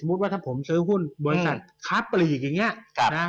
สมมุติผมซื้อหุ้นบริษัทข้าพรีปรีอีกอย่างเงี้ย